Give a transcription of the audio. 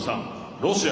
ロシア。